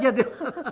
saya itu dia